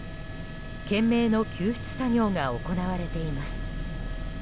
懸命の救出作業が行われています。